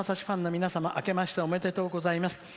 ファンの皆様あけましておめでとうございます。